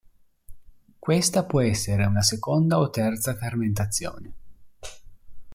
Questa può essere una seconda o terza fermentazione.